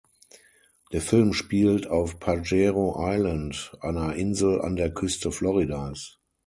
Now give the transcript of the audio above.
Der Film spielt auf Pajero Island, einer Insel an der Küste Floridas.